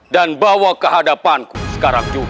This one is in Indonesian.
dan bawa kehadapanku sekarang juga